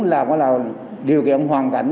là điều kiện hoàn cảnh